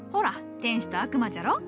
天使と悪魔じゃろ。